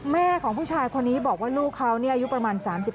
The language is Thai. แม่ของผู้ชายคนนี้บอกว่าลูกเขาอายุประมาณ๓๕